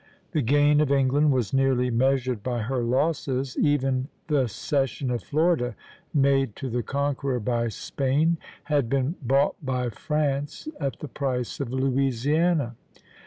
The gain of England was nearly measured by her losses; even the cession of Florida, made to the conqueror by Spain, had been bought by France at the price of Louisiana.